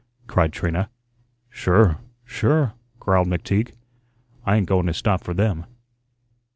cried Trina. "Sure, sure," growled McTeague. "I ain't going to stop for them."